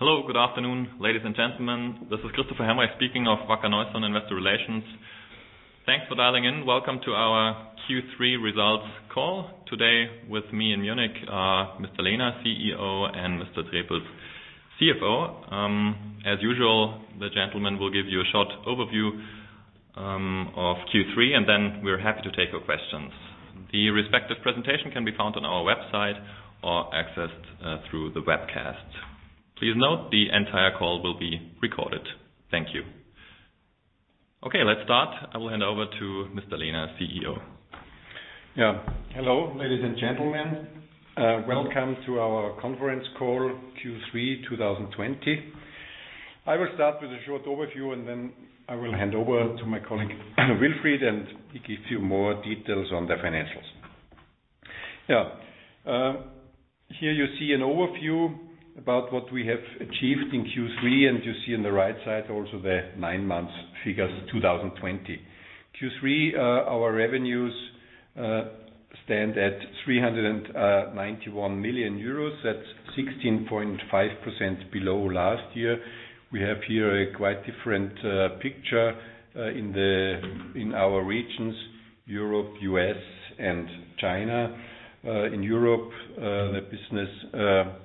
Hello. Good afternoon, ladies and gentlemen. This is Christopher Helmreich speaking of Wacker Neuson Investor Relations. Thanks for dialing in. Welcome to our Q3 results call. Today with me in Munich are Mr. Lehner, CEO, and Mr. Trepels, CFO. As usual, the gentlemen will give you a short overview of Q3. Then we're happy to take your questions. The respective presentation can be found on our website or accessed through the webcast. Please note, the entire call will be recorded. Thank you. Okay, let's start. I will hand over to Mr. Lehner, CEO. Hello, ladies and gentlemen. Welcome to our conference call Q3 2020. I will start with a short overview. Then I will hand over to my colleague Wilfried, and he give you more details on the financials. Here you see an overview about what we have achieved in Q3. You see on the right side also the nine months figures 2020. Q3, our revenues stand at 391 million euros. That's 16.5% below last year. We have here a quite different picture in our regions, Europe, U.S., and China. In Europe, the business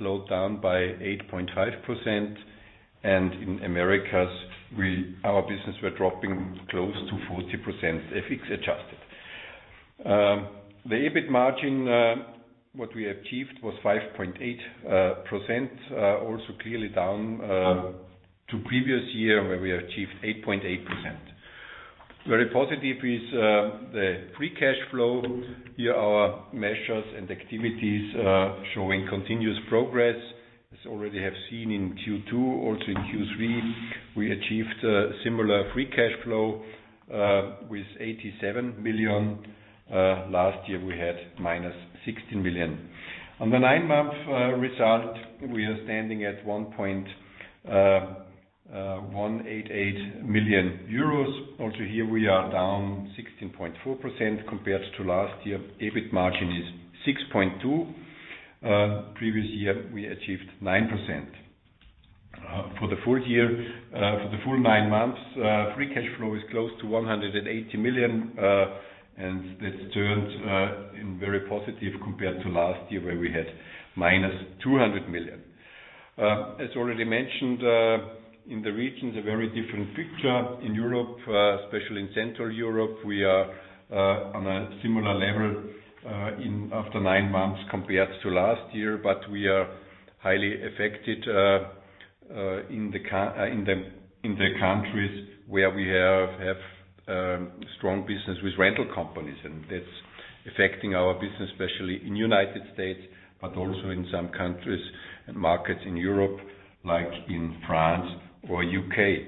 slowed down by 8.5%. In Americas, our business were dropping close to 40% FX adjusted. The EBIT margin, what we achieved was 5.8%, also clearly down to previous year where we achieved 8.8%. Very positive is the free cash flow. Here our measures and activities showing continuous progress. As already have seen in Q2, also in Q3, we achieved similar free cash flow with 87 million. Last year we had -16 million. On the nine-month result, we are standing at 1.188 billion euros. Also, here we are down 16.4% compared to last year. EBIT margin is 6.2%. Previous year, we achieved 9%. For the full nine months, free cash flow is close to 180 million. This turned in very positive compared to last year where we had -200 million. As already mentioned, in the regions, a very different picture. In Europe, especially in Central Europe, we are on a similar level after nine months compared to last year. We are highly affected in the countries where we have strong business with rental companies. That's affecting our business, especially in U.S., but also in some countries and markets in Europe, like in France or U.K.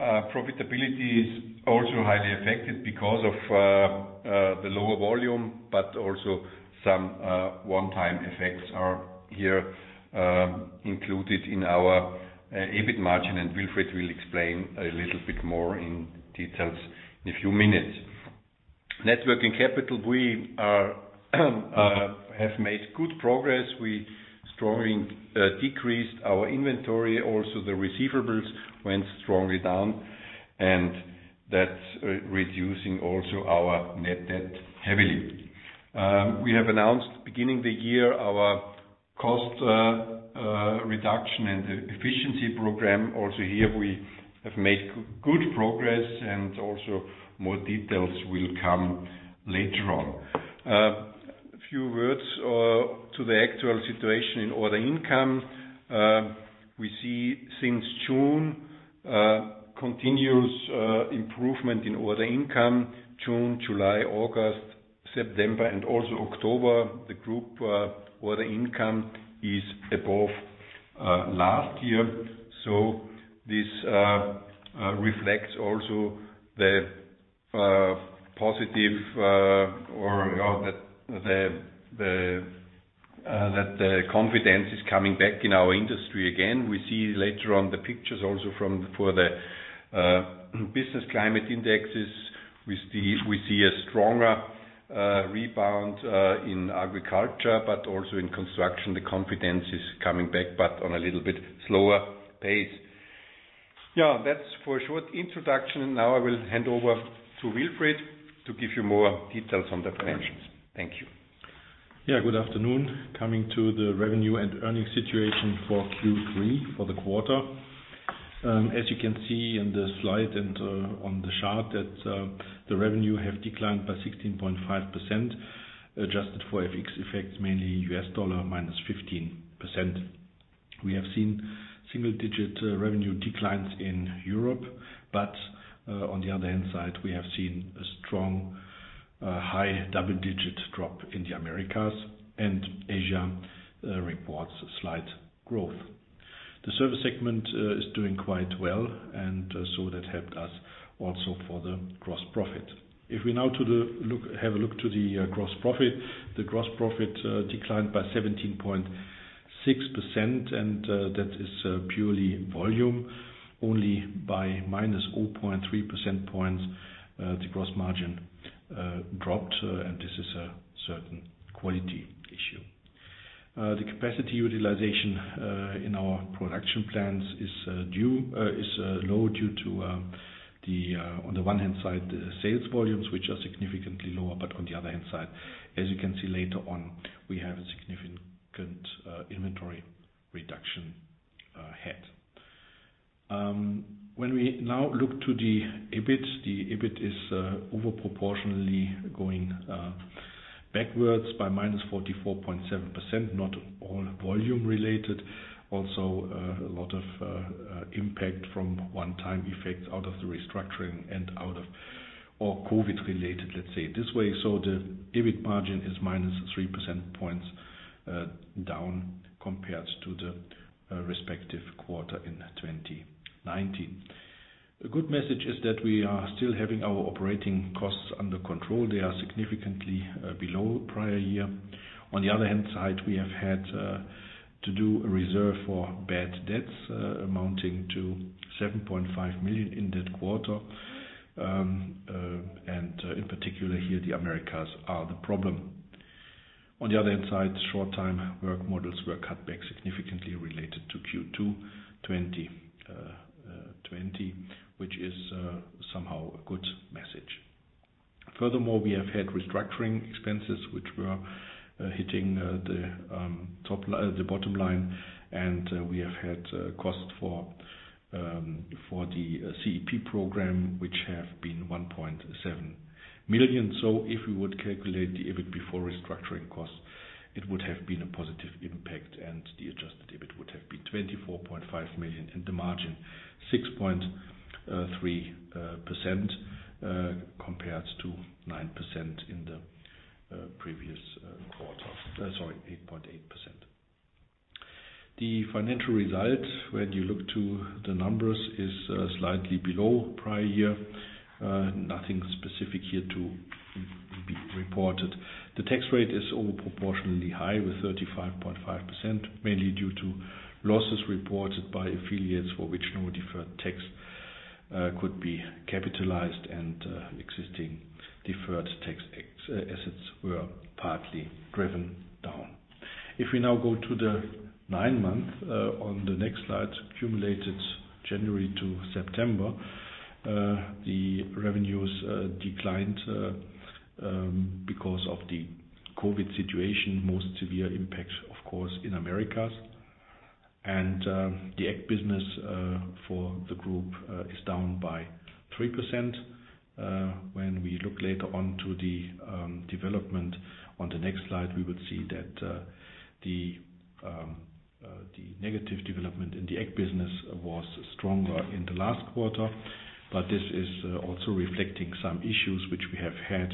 Profitability is also highly affected because of the lower volume, but also some one-time effects are here included in our EBIT margin. Wilfried will explain a little bit more in details in a few minutes. Net working capital, we have made good progress. We strongly decreased our inventory. Also, the receivables went strongly down. That's reducing also our net debt heavily. We have announced beginning the year our cost reduction and efficiency program. Also here we have made good progress. Also more details will come later on. A few words to the actual situation in order income. We see since June, continuous improvement in order income. June, July, August, September, October, the group order income is above last year. This reflects also the positive or that the confidence is coming back in our industry again. We see later on the pictures also for the business climate indexes. We see a stronger rebound in agriculture, but also in construction. The confidence is coming back, but on a little bit slower pace. That's for a short introduction. Now I will hand over to Wilfried to give you more details on the financials. Thank you. Good afternoon. Coming to the revenue and earnings situation for Q3, for the quarter. As you can see in the slide and on the chart that the revenue has declined by 16.5%, adjusted for FX effects, mainly USD minus 15%. We have seen single-digit revenue declines in Europe. On the other hand side, we have seen a strong high double-digit drop in the Americas. Asia reports slight growth. The service segment is doing quite well. That helped us also for the gross profit. If we now have a look to the gross profit, the gross profit declined by 17.6%. That is purely volume. Only by minus 0.3 percentage points the gross margin dropped. This is a certain quality. The capacity utilization in our production plants is low due to, on the one hand side, the sales volumes, which are significantly lower. On the other hand side, as you can see later on, we have a significant inventory reduction ahead. When we now look to the EBIT, the EBIT is over-proportionally going backwards by minus 44.7%, not all volume related. A lot of impact from one-time effects out of the restructuring and out of all COVID-related, let's say it this way. The EBIT margin is minus 3 percentage points down compared to the respective quarter in 2019. A good message is that we are still having our operating costs under control. They are significantly below prior year. On the other hand side, we have had to do a reserve for bad debts amounting to 7.5 million in that quarter. In particular here, the Americas are the problem. On the other hand side, short-time work models were cut back significantly related to Q2 2020, which is somehow a good message. Furthermore, we have had restructuring expenses which were hitting the bottom line. We have had cost for the CEP program, which have been 1.7 million. If we would calculate the EBIT before restructuring costs, it would have been a positive impact. The adjusted EBIT would have been 24.5 million, and the margin 6.3% compared to 9% in the previous quarter. Sorry, 8.8%. The financial result, when you look to the numbers, is slightly below prior year. Nothing specific here to be reported. The tax rate is over-proportionally high with 35.5%, mainly due to losses reported by affiliates for which no deferred tax could be capitalized and existing deferred tax assets were partly driven down. If we now go to the nine-month on the next slide, accumulated January to September, the revenues declined because of the COVID situation, most severe impact, of course, in Americas. The ag business for the group is down by 3%. When we look later on to the development on the next slide, we will see that the negative development in the ag business was stronger in the last quarter, but this is also reflecting some issues which we have had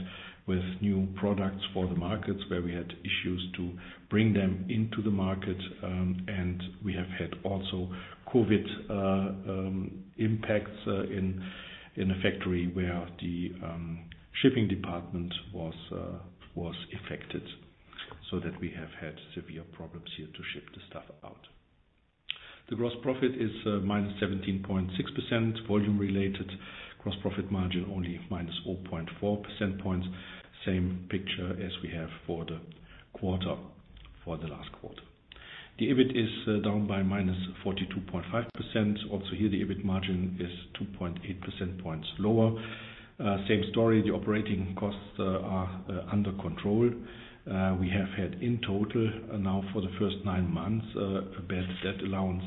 with new products for the markets where we had issues to bring them into the market, and we have had also COVID impacts in a factory where the shipping department was affected, so that we have had severe problems here to ship the stuff out. The gross profit is -17.6%, volume related. Gross profit margin only -0.4 percentage points. Same picture as we have for the quarter, for the last quarter. The EBIT is down by -42.5%. Also here, the EBIT margin is 2.8 percentage points lower. Same story, the operating costs are under control. We have had in total now for the first nine months, a bad debt allowance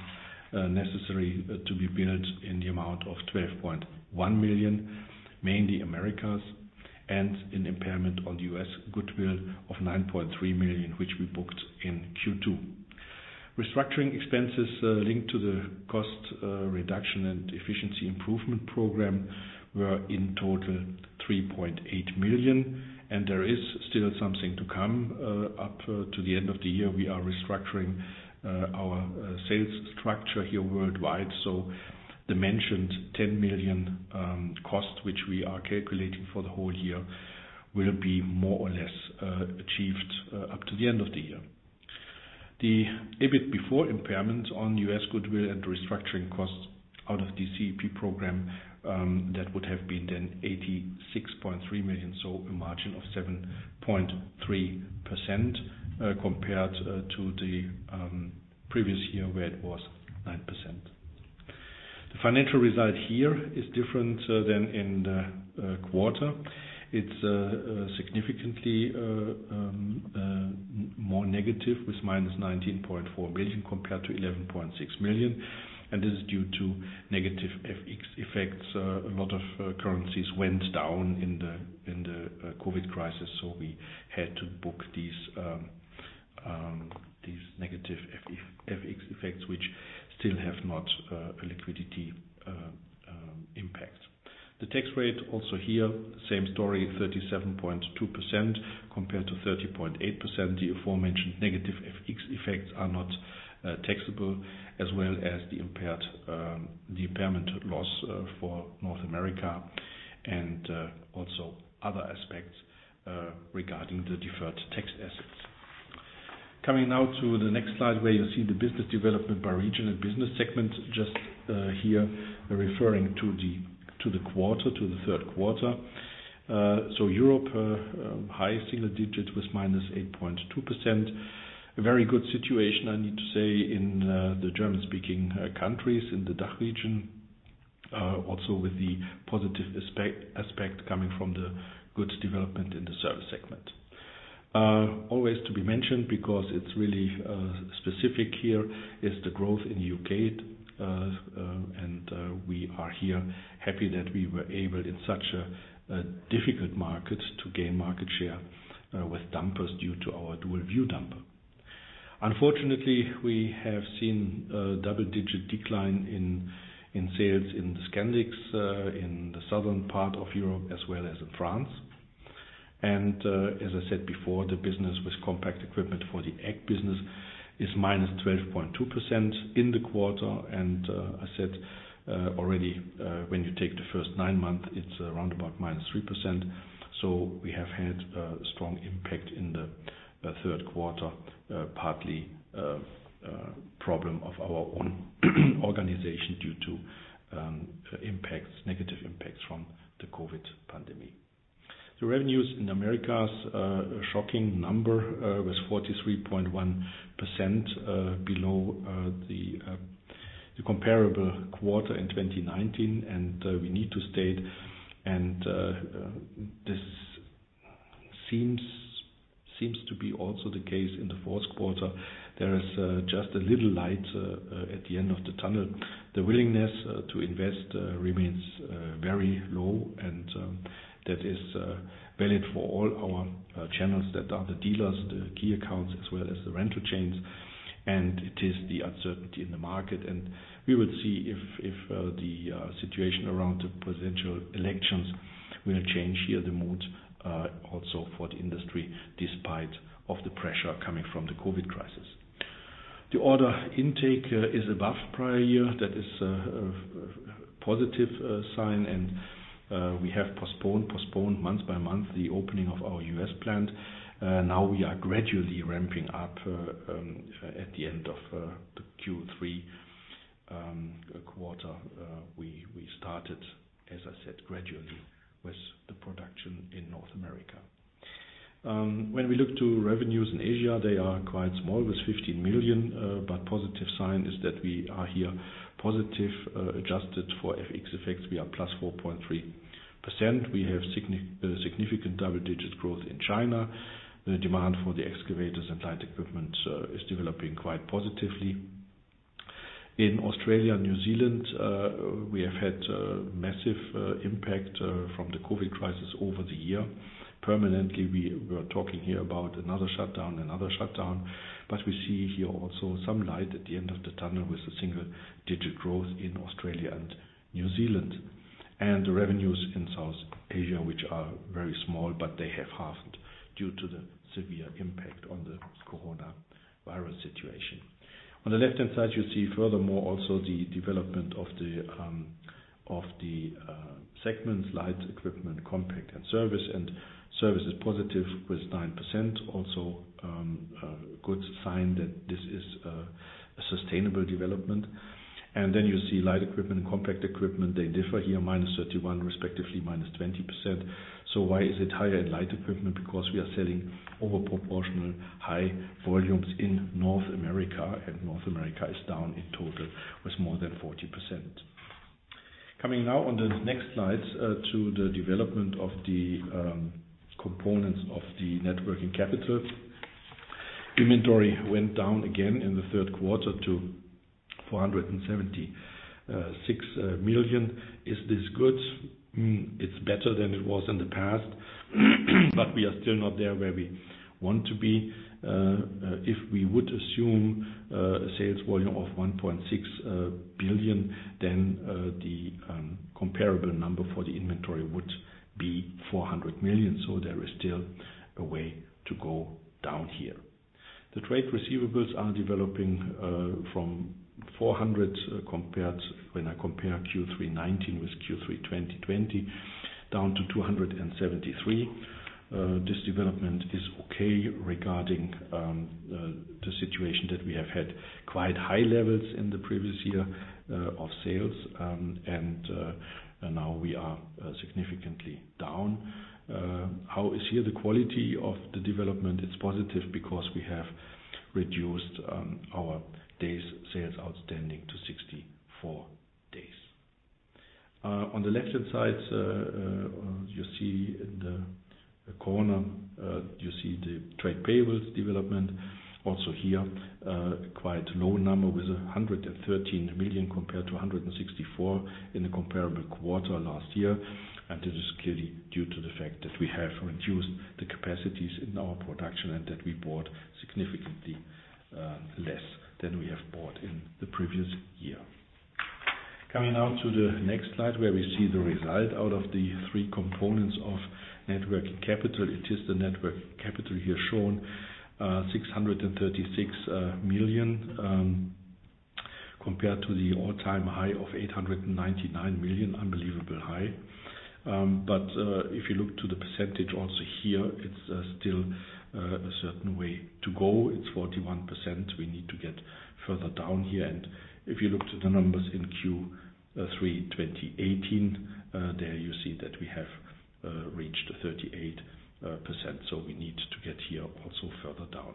necessary to be built in the amount of 12.1 million, mainly Americas, and an impairment on U.S. goodwill of 9.3 million, which we booked in Q2. Restructuring expenses linked to the cost reduction and efficiency improvement program were in total 3.8 million, and there is still something to come up to the end of the year. We are restructuring our sales structure here worldwide. The mentioned 10 million cost, which we are calculating for the whole year, will be more or less achieved up to the end of the year. The EBIT before impairment on U.S. goodwill and restructuring costs out of the CEP program, that would have been then 86.3 million, so a margin of 7.3% compared to the previous year where it was 9%. The financial result here is different than in the quarter. It is significantly more negative with -19.4 million compared to 11.6 million, and this is due to negative FX effects. A lot of currencies went down in the COVID crisis, so we had to book these negative FX effects, which still have not a liquidity impact. The tax rate also here, same story, 37.2% compared to 30.8%. The aforementioned negative FX effects are not taxable, as well as the impairment loss for North America and also other aspects regarding the deferred tax assets. Coming now to the next slide where you see the business development by region and business segment, just here referring to the quarter, to the third quarter. Europe, high single digits with -8.2%. A very good situation, I need to say, in the German-speaking countries, in the DACH region, also with the positive aspect coming from the good development in the service segment. Always to be mentioned, because it is really specific here, is the growth in U.K. We are here happy that we were able, in such a difficult market, to gain market share with dumpers due to our Dual View dumper. Unfortunately, we have seen a double-digit decline in sales in the Nordics, in the southern part of Europe, as well as in France. As I said before, the business with compact equipment for the ag business is -12.2% in the quarter. I said already, when you take the first nine months, it is around about -3%. We have had a strong impact in the third quarter, partly a problem of our own organization due to negative impacts from the COVID pandemic. The revenues in Americas, a shocking number, was 43.1% below the comparable quarter in 2019. We need to state, and this seems to be also the case in the fourth quarter, there is just a little light at the end of the tunnel. The willingness to invest remains very low, and that is valid for all our channels that are the dealers, the key accounts, as well as the rental chains. It is the uncertainty in the market, and we will see if the situation around the presidential elections will change here the mood also for the industry, despite of the pressure coming from the COVID crisis. The order intake is above prior year. That is a positive sign, and we have postponed month by month the opening of our U.S. plant. Now we are gradually ramping up at the end of the Q3 quarter. We started, as I said, gradually with the production in North America. When we look to revenues in Asia, they are quite small, with 15 million. Positive sign is that we are here positive, adjusted for FX effects, we are +4.3%. We have significant double-digit growth in China. The demand for the excavators and light equipment is developing quite positively. In Australia and New Zealand, we have had massive impact from the COVID crisis over the year. Permanently, we were talking here about another shutdown. We see here also some light at the end of the tunnel, with a single-digit growth in Australia and New Zealand. The revenues in South Asia, which are very small, but they have halved due to the severe impact on the coronavirus situation. On the left-hand side, you see furthermore also the development of the segments, light equipment, compact, and service. Service is positive with 9%. Also a good sign that this is a sustainable development. You see light equipment and compact equipment. They differ here, -31%, respectively -20%. Why is it higher in light equipment? Because we are selling over proportional high volumes in North America, and North America is down in total with more than 40%. Coming now on the next slides to the development of the components of the net working capital. Inventory went down again in the third quarter to 476 million. It's better than it was in the past, but we are still not there where we want to be. If we would assume a sales volume of 1.6 billion, then the comparable number for the inventory would be 400 million. There is still a way to go down here. The trade receivables are developing from 400 million, when I compare Q3 2019 with Q3 2020, down to 273 million. This development is okay regarding the situation that we have had quite high levels in the previous year of sales, and now we are significantly down. How is here the quality of the development? It's positive because we have reduced our days sales outstanding to 64 days. On the left-hand side, you see in the corner, you see the trade payables development. Also here, quite low number with 113 million compared to 164 million in the comparable quarter last year. This is clearly due to the fact that we have reduced the capacities in our production and that we bought significantly less than we have bought in the previous year. Coming now to the next slide, where we see the result out of the three components of net working capital. It is the net working capital here shown, 636 million, compared to the all-time high of 899 million, unbelievable high. If you look to the percentage also here, it's still a certain way to go. It's 41%. We need to get further down here. If you look to the numbers in Q3 2018, there you see that we have reached 38%, we need to get here also further down.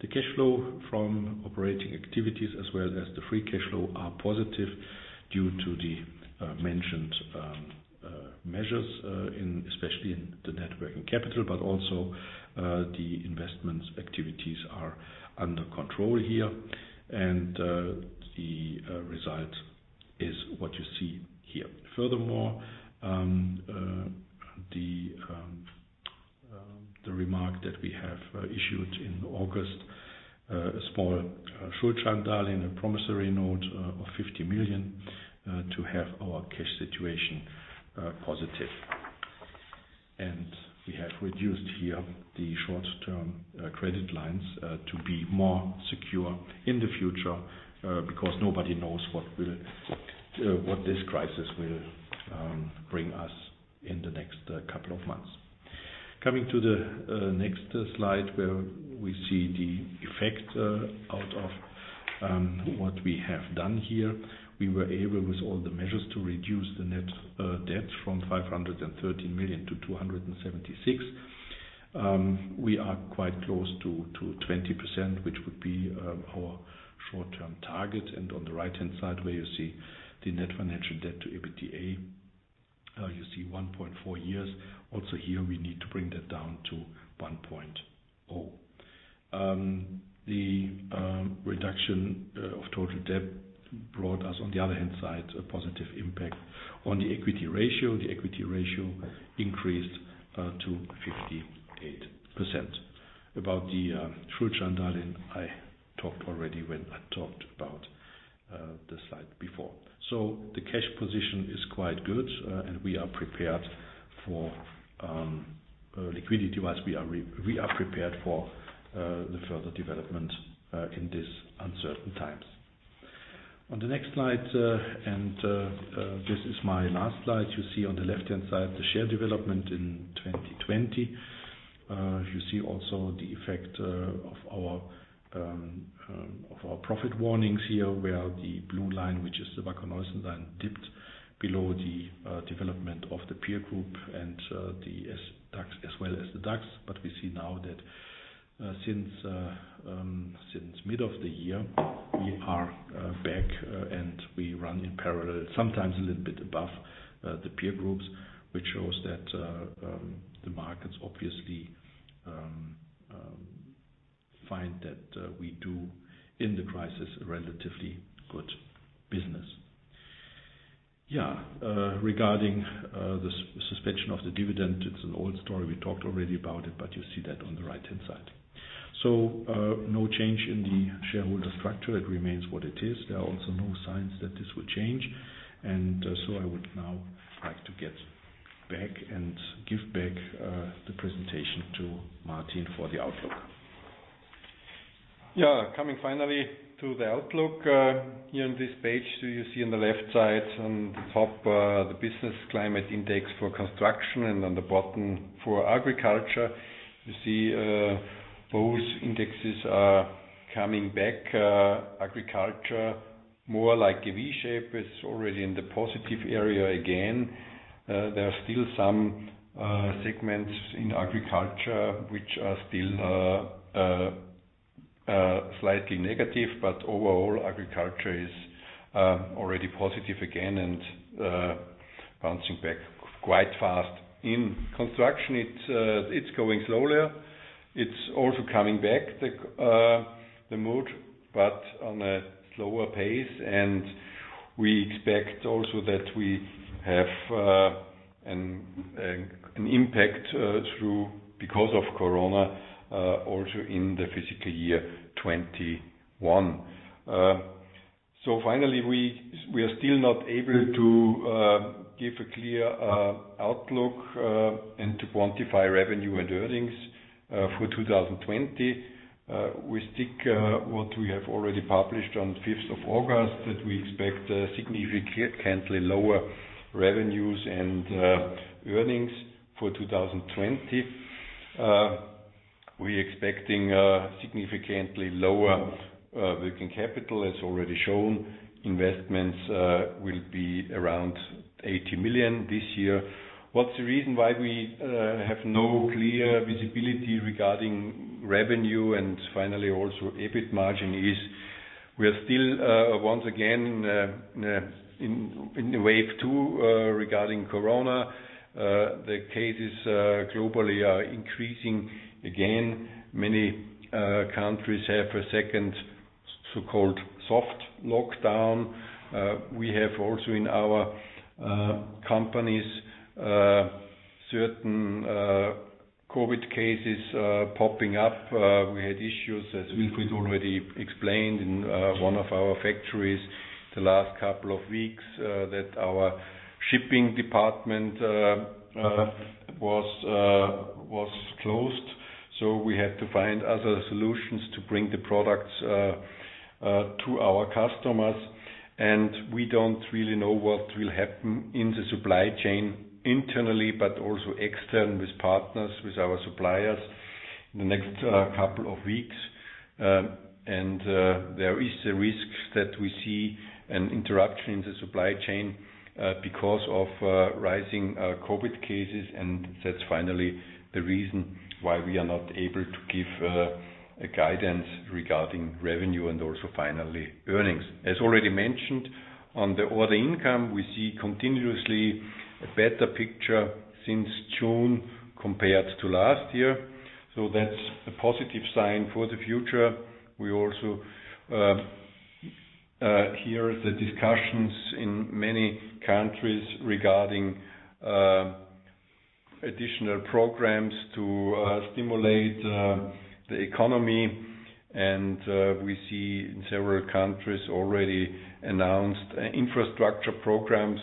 The cash flow from operating activities as well as the free cash flow are positive due to the mentioned measures, especially in the net working capital, the investments activities are under control here, the result is what you see here. Furthermore, the remark that we have issued in August, a small promissory note of 50 million to have our cash situation positive. We have reduced here the short-term credit lines to be more secure in the future, because nobody knows what this crisis will bring us in the next couple of months. Coming to the next slide, where we see the effect out of what we have done here. We were able, with all the measures, to reduce the net debt from 530 million to 276 million. We are quite close to 20%, which would be our short-term target. On the right-hand side where you see the net financial debt to EBITDA, you see 1.4 years. Also here, we need to bring that down to 1.0. The reduction of total debt brought us, on the other hand side, a positive impact on the equity ratio. The equity ratio increased to 58%. I talked already about that when I talked about the slide before. The cash position is quite good, we are prepared for liquidity-wise. We are prepared for the further development in these uncertain times. On the next slide, this is my last slide, you see on the left-hand side the share development in 2020. You see also the effect of our profit warnings here, where the blue line, which is the Wacker Neuson line dipped below the development of the peer group and the DAX. We see now that since mid of the year, we are back and we run in parallel, sometimes a little bit above the peer groups, which shows that the markets obviously find that we do in the crisis a relatively good business. Regarding the suspension of the dividend, it's an old story. We talked already about it, you see that on the right-hand side. No change in the shareholder structure. It remains what it is. There are also no signs that this will change. I would now like to get back and give back the presentation to Martin for the outlook. Coming finally to the outlook. Here on this page, you see on the left side, on the top, the business climate index for construction, and on the bottom for agriculture. You see those indexes are coming back. Agriculture more like a V shape. It is already in the positive area again. There are still some segments in agriculture which are still slightly negative, but overall, agriculture is already positive again and bouncing back quite fast. In construction, it is going slower. It is also coming back, the mood, but on a slower pace. We expect also that we have an impact through, because of corona, also in the fiscal year 2021. Finally, we are still not able to give a clear outlook and to quantify revenue and earnings for 2020. We stick what we have already published on the 5th of August that we expect significantly lower revenues and earnings for 2020. We are expecting significantly lower net working capital, as already shown. Investments will be around 80 million this year. What is the reason why we have no clear visibility regarding revenue and finally also EBIT margin is we are still, once again, in wave 2 regarding corona. The cases globally are increasing again. Many countries have a second, so-called soft lockdown. We have also in our companies, certain COVID cases popping up. We had issues, as Wilfried already explained, in one of our factories the last couple of weeks that our shipping department was closed. We had to find other solutions to bring the products to our customers. We don't really know what will happen in the supply chain internally, but also externally with partners, with our suppliers. In the next couple of weeks. There is a risk that we see an interruption in the supply chain because of rising COVID cases, and that is finally the reason why we are not able to give a guidance regarding revenue and also finally, earnings. As already mentioned, on the order income, we see continuously a better picture since June compared to last year. That is a positive sign for the future. We also hear the discussions in many countries regarding additional programs to stimulate the economy. We see in several countries already announced infrastructure programs.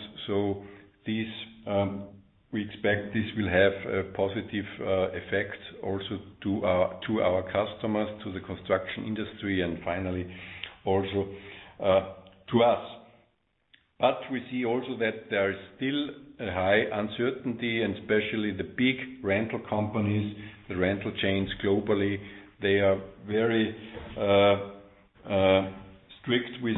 We expect this will have a positive effect also to our customers, to the construction industry, and finally, also to us. We see also that there is still a high uncertainty, and especially the big rental companies, the rental chains globally, they are very strict with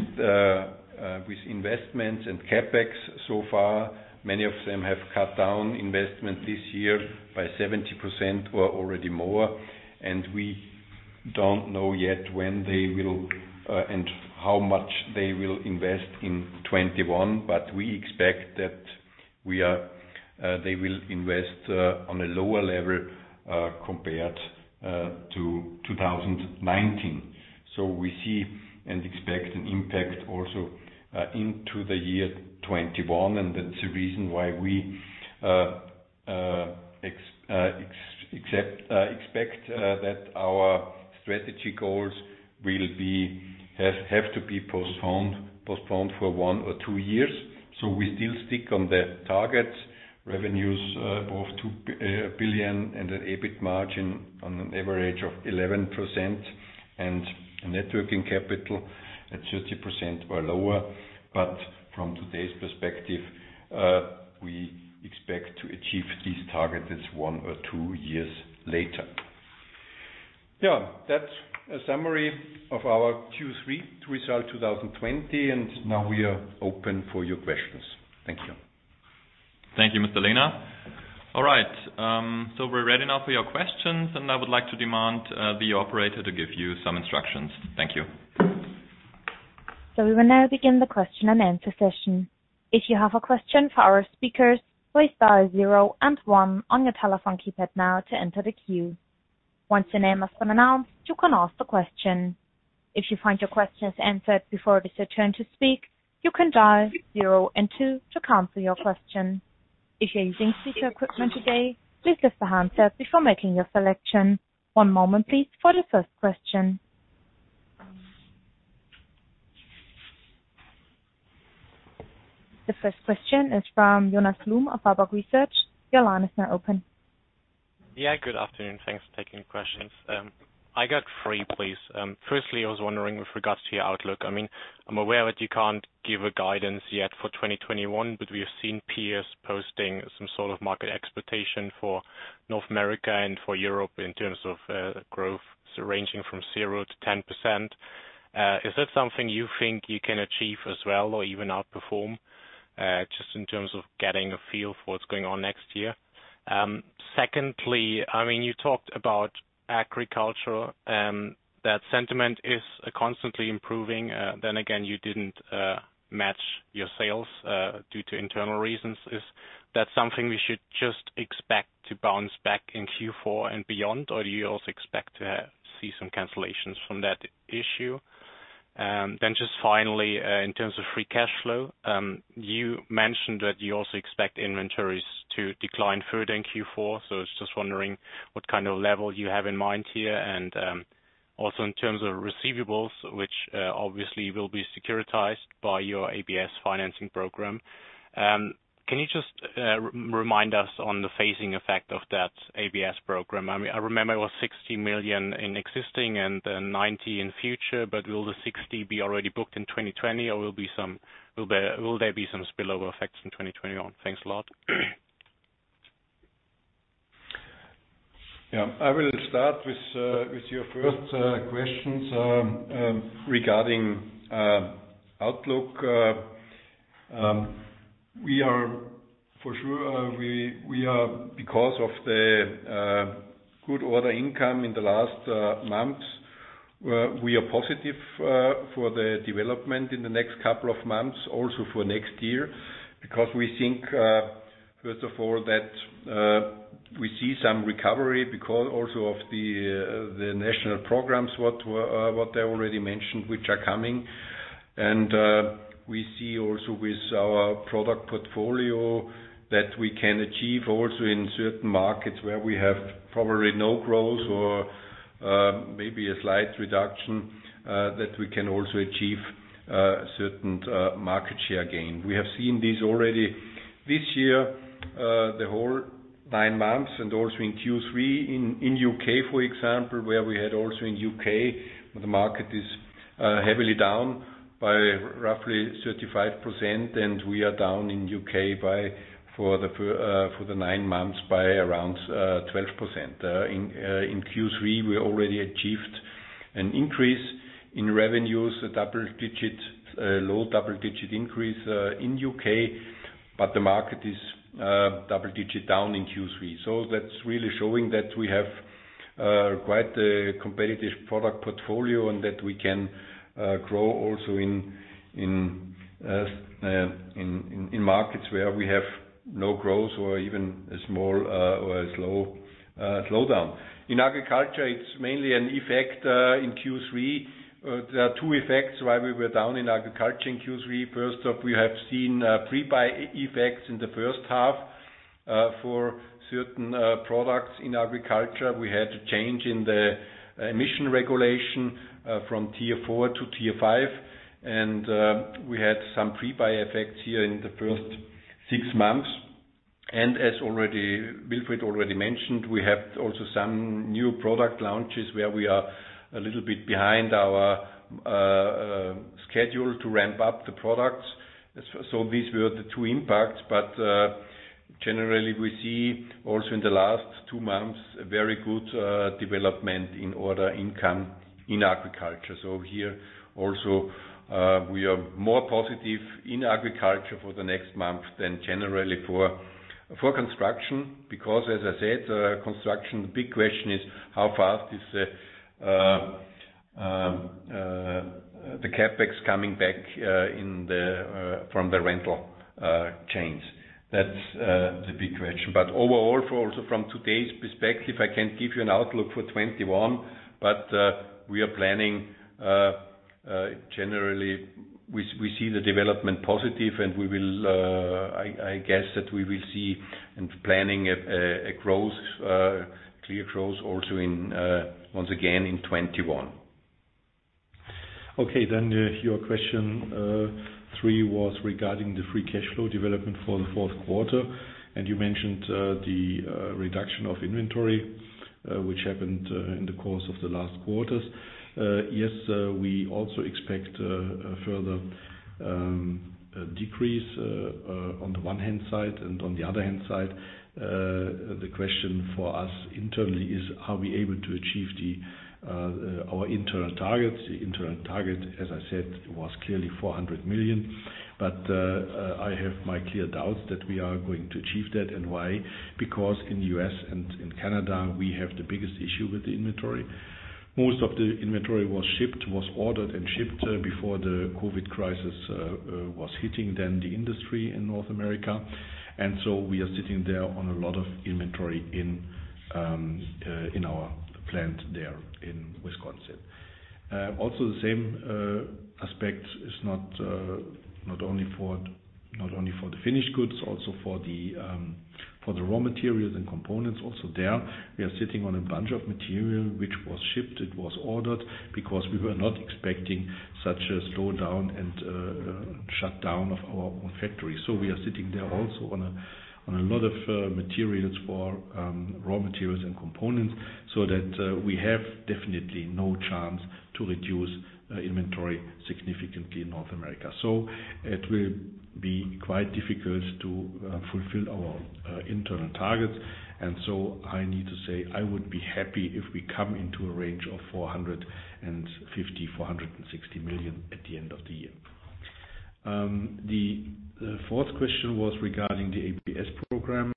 investments and CapEx so far. Many of them have cut down investment this year by 70% or already more. We don't know yet when they will, and how much they will invest in 2021. We expect that they will invest on a lower level compared to 2019. We see and expect an impact also into the year 2021, and that is the reason why we expect that our strategy goals have to be postponed for one or two years. We still stick on the targets, revenues above 2 billion and an EBIT margin on an average of 11%, and net working capital at 30% or lower. From today's perspective, we expect to achieve these targets one or two years later. That is a summary of our Q3 result 2020. Now we are open for your questions. Thank you. Thank you, Mr. Lehner. All right. We're ready now for your questions. I would like to demand the operator to give you some instructions. Thank you. We will now begin the question-and-answer session. If you have a question for our speakers, please dial zero and one on your telephone keypad now to enter the queue. Once your name has been announced, you can ask the question. If you find your questions answered before it is your turn to speak, you can dial zero and two to cancel your question. If you're using speaker equipment today, please lift the handset before making your selection. One moment, please, for the first question. The first question is from Jonas Blum of Warburg Research. Your line is now open. Yeah, good afternoon. Thanks for taking the questions. I got three, please. Firstly, I was wondering with regards to your outlook. I'm aware that you can't give a guidance yet for 2021. We have seen peers posting some sort of market expectation for North America and for Europe in terms of growth ranging from 0%-10%. Is that something you think you can achieve as well or even outperform? Just in terms of getting a feel for what's going on next year. Secondly, you talked about agriculture, that sentiment is constantly improving. Again, you didn't match your sales due to internal reasons. Is that something we should just expect to bounce back in Q4 and beyond, or do you also expect to see some cancellations from that issue? Just finally, in terms of free cash flow, you mentioned that you also expect inventories to decline further in Q4. I was just wondering what kind of level you have in mind here. Also in terms of receivables, which obviously will be securitized by your ABS financing program. Can you just remind us on the phasing effect of that ABS program? I remember it was 60 million in existing and 90 in future. Will the 60 be already booked in 2020, or will there be some spillover effects in 2021? Thanks a lot. I will start with your first questions regarding outlook. For sure, because of the good order income in the last months, we are positive for the development in the next couple of months, also for next year, because we think, first of all, that we see some recovery because also of the national programs, what I already mentioned, which are coming. We see also with our product portfolio that we can achieve also in certain markets where we have probably no growth or maybe a slight reduction, that we can also achieve certain market share gain. We have seen this already this year, the whole nine months, and also in Q3, in U.K., for example, where we had also in U.K., the market is heavily down by roughly 35%, and we are down in U.K. for the nine months by around 12%. In Q3, we already achieved an increase in revenues, a low double-digit increase in U.K., but the market is double-digit down in Q3. That's really showing that we have quite a competitive product portfolio and that we can grow also in markets where we have no growth or even a small or a slowdown. In agriculture, it's mainly an effect in Q3. There are two effects why we were down in agriculture in Q3. First off, we have seen pre-buy effects in the first half for certain products in agriculture. We had a change in the emission regulation from Tier 4 to Tier 5. We had some pre-buy effects here in the first six months. As Wilfried already mentioned, we have also some new product launches where we are a little bit behind our schedule to ramp up the products. These were the two impacts, generally we see also in the last two months, a very good development in order income in agriculture. Here also, we are more positive in agriculture for the next month than generally for construction. As I said, construction, the big question is how fast is the CapEx coming back from the rental chains? That's the big question. Overall, from today's perspective, I can give you an outlook for 2021, we are planning, generally, we see the development positive and I guess that we will see and planning a clear growth also in, once again, in 2021. Your question three was regarding the free cash flow development for the fourth quarter, you mentioned the reduction of inventory, which happened in the course of the last quarters. We also expect a further decrease on the one hand side, and on the other hand side, the question for us internally is, are we able to achieve our internal targets? The internal target, as I said, was clearly 400 million, I have my clear doubts that we are going to achieve that. Why? In the U.S. and in Canada, we have the biggest issue with the inventory. Most of the inventory was ordered and shipped before the COVID crisis was hitting then the industry in North America. We are sitting there on a lot of inventory in our plant there in Wisconsin. The same aspect is not only for the finished goods, also for the raw materials and components. There, we are sitting on a bunch of material which was shipped, it was ordered because we were not expecting such a slowdown and shutdown of our own factory. We are sitting there also on a lot of materials for raw materials and components so that we have definitely no chance to reduce inventory significantly in North America. It will be quite difficult to fulfill our internal targets. I need to say, I would be happy if we come into a range of 450 million-460 million at the end of the year. The fourth question was regarding the ABS program.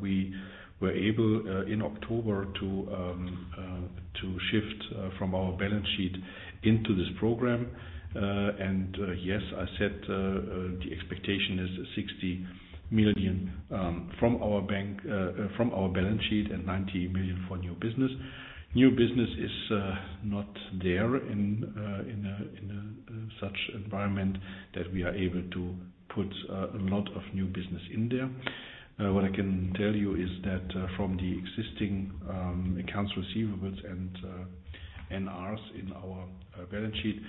We were able, in October, to shift from our balance sheet into this program. Yes, I said the expectation is 60 million from our balance sheet and 90 million for new business. New business is not there in a such environment that we are able to put a lot of new business in there. What I can tell you is that from the existing accounts receivables and NRV in our balance sheet,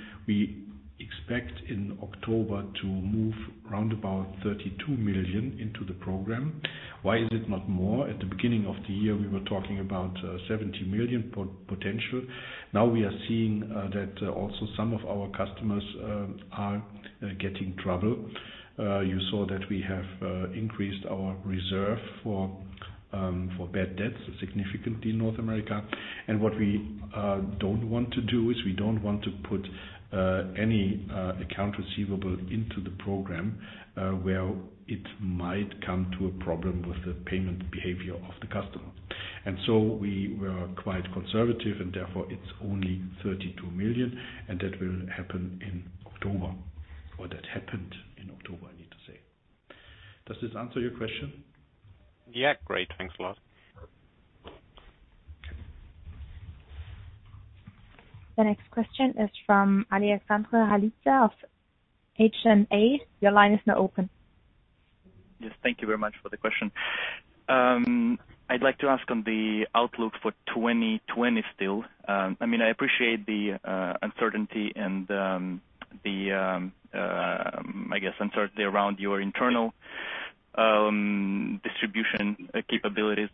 we expect in October to move round about 32 million into the program. Why is it not more? At the beginning of the year, we were talking about 70 million potential. Now we are seeing that also some of our customers are getting trouble. You saw that we have increased our reserve for bad debts significantly in North America. What we don't want to do is we don't want to put any account receivable into the program where it might come to a problem with the payment behavior of the customer. We were quite conservative and therefore it's only 32 million and that will happen in October, or that happened in October, I need to say. Does this answer your question? Yeah. Great. Thanks a lot. The next question is from Alexandre Ralitza of HSBC. Your line is now open. Yes, thank you very much for the question. I'd like to ask on the outlook for 2020 still. I appreciate the uncertainty and the, I guess, uncertainty around your internal distribution capabilities.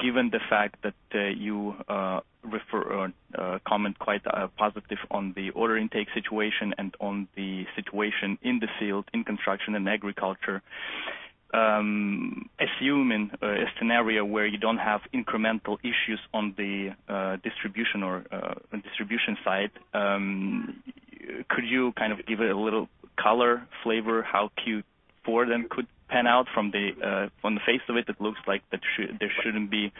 Given the fact that you comment quite positive on the order intake situation and on the situation in the field, in construction and agriculture. Assume a scenario where you don't have incremental issues on the distribution or on distribution side, could you give a little color, flavor, how Q4 then could pan out? From the face of it looks like that there shouldn't be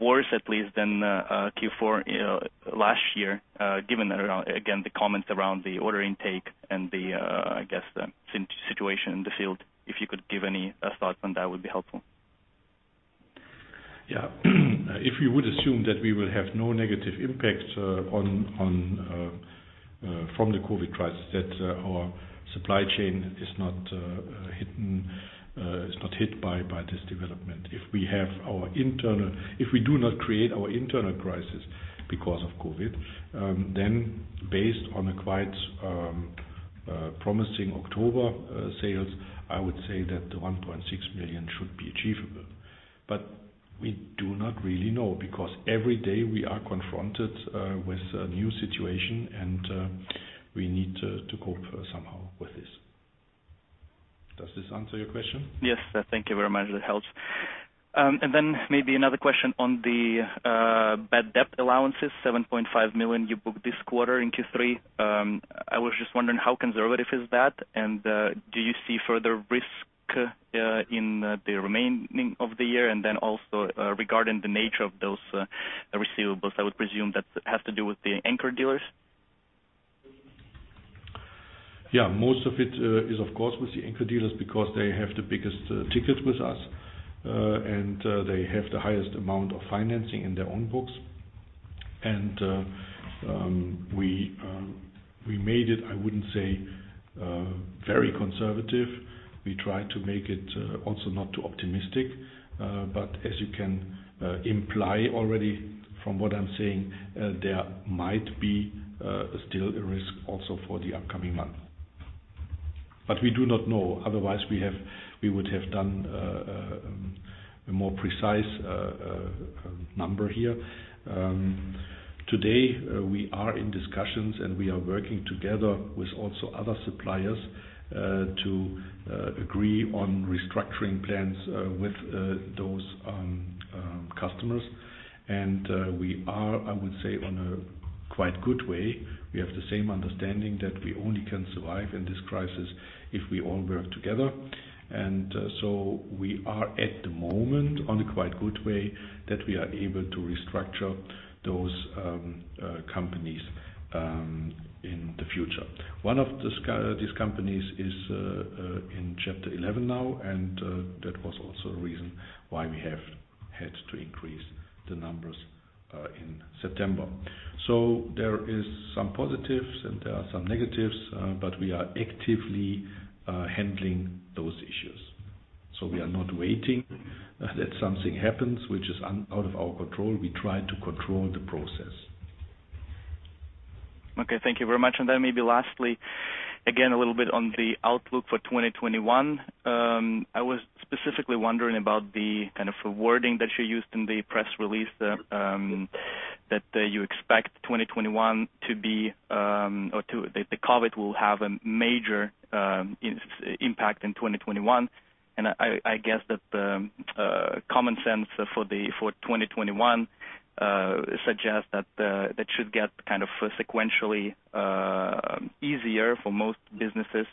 worse at least than Q4 last year, given, again, the comments around the order intake and the situation in the field. If you could give any thoughts on that, would be helpful. If you would assume that we will have no negative impact from the COVID crisis, that our supply chain is not hit by this development. If we do not create our internal crisis because of COVID, then based on a quite promising October sales, I would say that the 1.6 billion should be achievable. We do not really know, because every day we are confronted with a new situation, and we need to cope somehow with this. Does this answer your question? Yes. Thank you very much. That helps. Maybe another question on the bad debt allowances, 7.5 million you booked this quarter in Q3. I was just wondering how conservative is that, and do you see further risk in the remaining of the year? Also, regarding the nature of those receivables, I would presume that has to do with the anchor dealers? Yeah. Most of it is, of course, with the anchor dealers because they have the biggest ticket with us, and they have the highest amount of financing in their own books. We made it, I wouldn't say very conservative. We try to make it also not too optimistic. As you can imply already from what I'm saying, there might be still a risk also for the upcoming month. We do not know, otherwise we would have done a more precise number here. Today, we are in discussions, and we are working together with also other suppliers to agree on restructuring plans with those customers. We are, I would say, on a quite good way. We have the same understanding that we only can survive in this crisis if we all work together. We are, at the moment, on a quite good way that we are able to restructure those companies in the future. One of these companies is in Chapter 11 now, that was also a reason why we have had to increase the numbers in September. There is some positives and there are some negatives, we are actively handling those issues. We are not waiting that something happens, which is out of our control. We try to control the process. Okay. Thank you very much. Maybe lastly, again, a little bit on the outlook for 2021. I was specifically wondering about the kind of wording that you used in the press release, that you expect that the COVID will have a major impact in 2021. I guess that the common sense for 2021 suggests that should get sequentially easier for most businesses.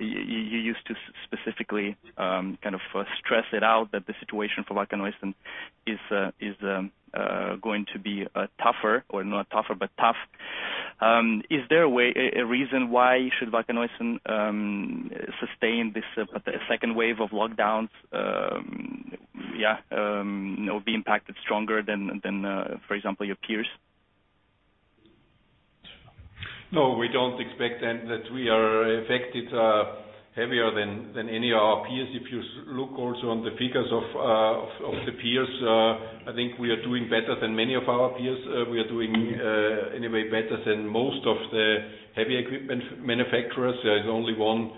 You used to specifically stress it out that the situation for Wacker Neuson is going to be tougher, or not tougher, but tough. Is there a reason why should Wacker Neuson sustain this second wave of lockdowns? Yeah. Be impacted stronger than, for example, your peers? No, we don't expect then that we are affected heavier than any of our peers. If you look also on the figures of the peers, I think we are doing better than many of our peers. We are doing anyway better than most of the heavy equipment manufacturers. There is only one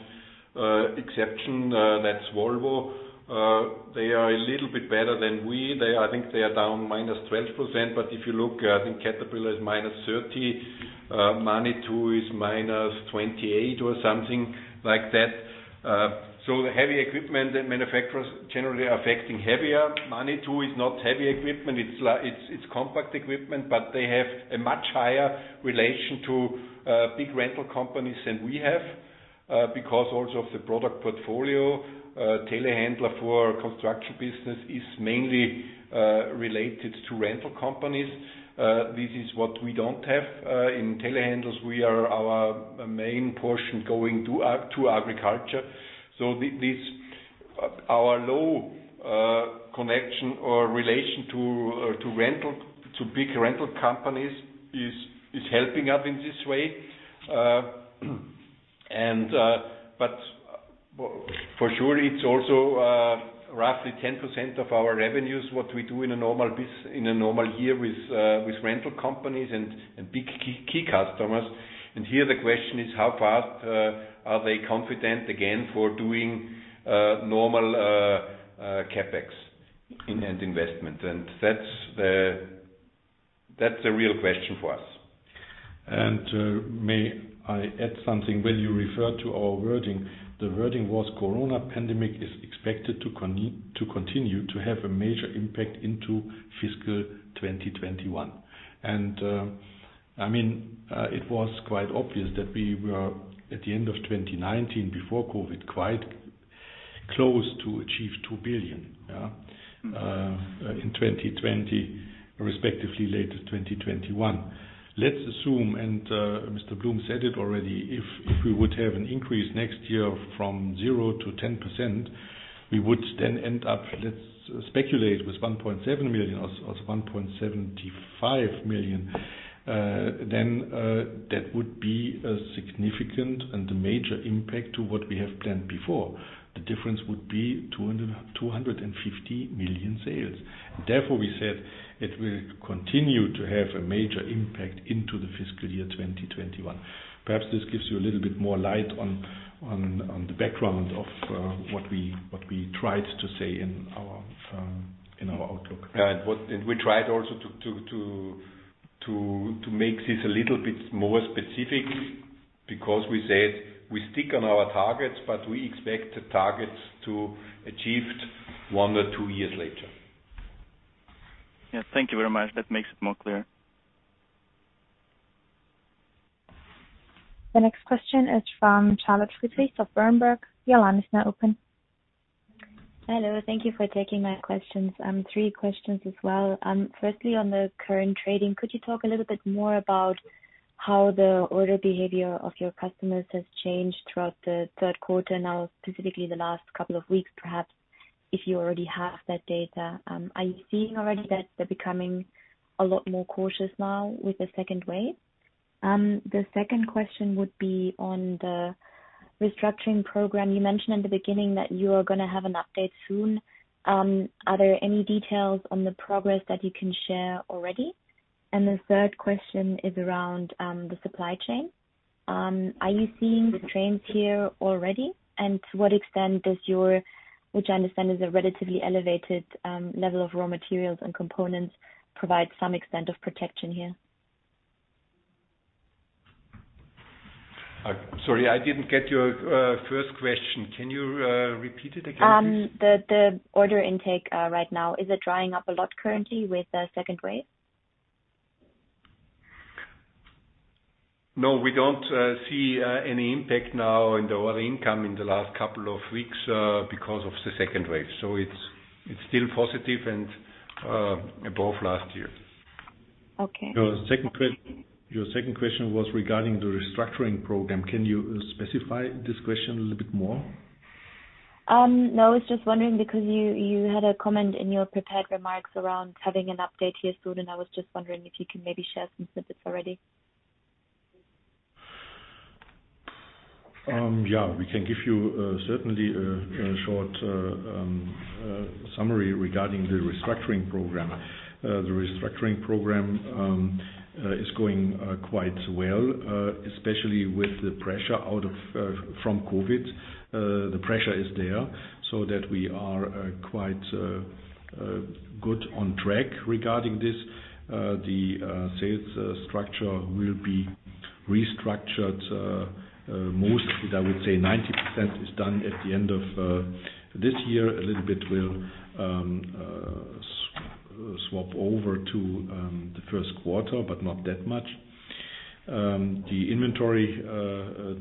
exception, that's Volvo. They are a little bit better than we. I think they are down -12%, but if you look, I think Caterpillar is -30%, Manitou is -28% or something like that. The heavy equipment manufacturers generally are affecting heavier. Manitou is not heavy equipment. It's compact equipment, but they have a much higher relation to big rental companies than we have, because also of the product portfolio. Telehandler for construction business is mainly related to rental companies. This is what we don't have. In telehandlers, our main portion going to agriculture. Our low connection or relation to big rental companies is helping us in this way. For sure. It's also roughly 10% of our revenues, what we do in a normal year with rental companies and big key customers. Here the question is, how fast are they confident again for doing normal CapEx and investment? That's the real question for us. May I add something? When you refer to our wording, the wording was Corona pandemic is expected to continue to have a major impact into fiscal 2021. It was quite obvious that we were, at the end of 2019 before COVID, quite close to achieve 2 billion. Yeah? In 2020, respectively later 2021, let's assume, Mr. Blum said it already, if we would have an increase next year from 0% to 10%, we would then end up, let's speculate, with 1.7 billion or 1.75 billion. That would be a significant and a major impact to what we have planned before. The difference would be 250 million sales. Therefore we said it will continue to have a major impact into the fiscal year 2021. Perhaps this gives you a little bit more light on the background of what we tried to say in our outlook. We tried also to make this a little bit more specific because we said we stick on our targets, but we expect the targets to achieved one or two years later. Yeah. Thank you very much. That makes it more clear. The next question is from Charlotte Friedrichs of Berenberg. Your line is now open. Hello. Thank you for taking my questions. Three questions as well. Firstly, on the current trading, could you talk a little bit more about how the order behavior of your customers has changed throughout the third quarter now, specifically the last couple of weeks, perhaps, if you already have that data. Are you seeing already that they're becoming a lot more cautious now with the second wave? The second question would be on the restructuring program. You mentioned in the beginning that you are going to have an update soon. Are there any details on the progress that you can share already? The third question is around the supply chain. Are you seeing restraints here already? To what extent does your, which I understand is a relatively elevated level of raw materials and components, provide some extent of protection here? Sorry, I didn't get your first question. Can you repeat it again, please? The order intake right now. Is it drying up a lot currently with the second wave? No, we don't see any impact now in the order income in the last couple of weeks, because of the second wave. It's still positive and above last year. Okay. Your second question was regarding the restructuring program. Can you specify this question a little bit more? I was just wondering because you had a comment in your prepared remarks around having an update here soon. I was just wondering if you can maybe share some snippets already. We can give you certainly a short summary regarding the restructuring program. The restructuring program is going quite well, especially with the pressure from COVID. The pressure is there so that we are quite good on track regarding this. The sales structure will be restructured. Mostly, I would say 90% is done at the end of this year. A little bit will swap over to the first quarter, not that much. The inventory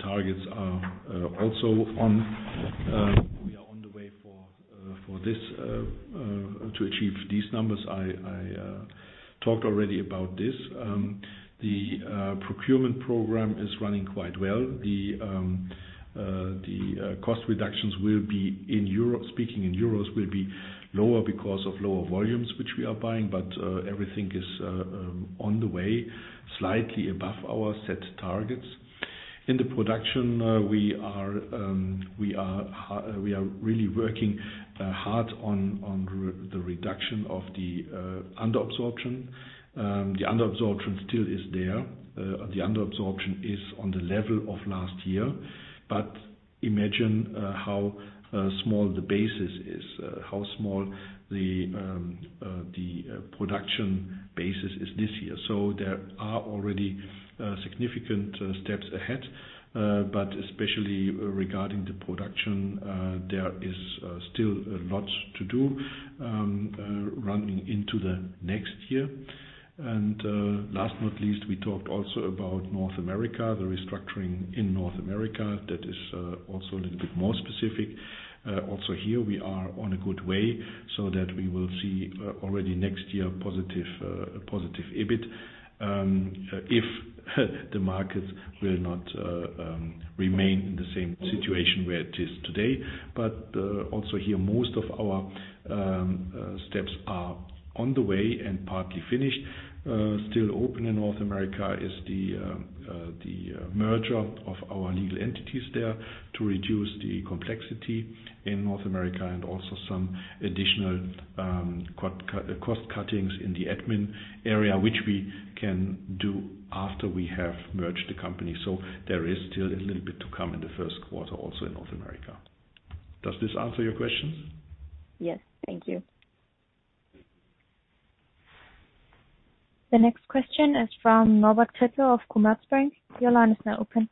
targets are also on. We are on the way for this, to achieve these numbers. I talked already about this. The procurement program is running quite well. The cost reductions, speaking in EUR, will be lower because of lower volumes, which we are buying. Everything is on the way, slightly above our set targets. In the production, we are really working hard on the reduction of the under-absorption. The under-absorption still is there. The under-absorption is on the level of last year, imagine how small the basis is, how small the production basis is this year. There are already significant steps ahead. Especially regarding the production, there is still a lot to do, running into the next year. Last not least, we talked also about North America, the restructuring in North America. That is also a little bit more specific. Also here we are on a good way, so that we will see already next year positive EBIT, if the market will not remain in the same situation where it is today. Also here, most of our steps are on the way and partly finished. Still open in North America is the merger of our legal entities there to reduce the complexity in North America and also some additional cost cuttings in the admin area, which we can do after we have merged the company. There is still a little bit to come in the first quarter, also in North America. Does this answer your question? Yes. Thank you. The next question is from Norbert Lihl of Commerzbank. Your line is now open.